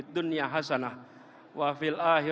lindungi masyarakat kami